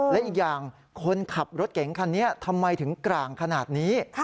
และอีกอย่างคนขับรถเก๋งคันนี้ทำไมถึงกลางขนาดนี้